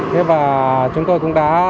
thế và chúng tôi cũng đã